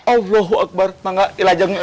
allahuakbar tangga ilajang itu